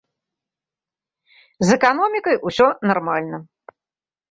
З эканомікай усё нармальна.